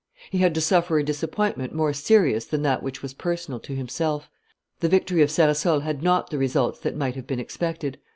He had to suffer a disappointment more serious than that which was personal to himself; the victory of Ceresole had not the results that might have been expected.